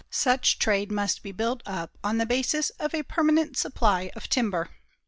Such trade must be built up on the basis of a permanent supply of timber.